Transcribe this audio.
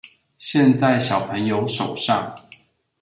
現在小朋友手上